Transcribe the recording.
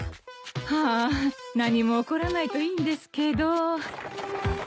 はあ何も起こらないといいんですけど。